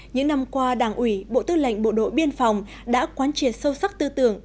những năm qua đảng ủy bộ tư lệnh bộ đội biên phòng đã quán triệt sâu sắc tư tưởng